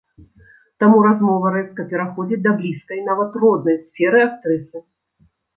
Таму размова рэзка пераходзіць да блізкай, нават, роднай сферы актрысы.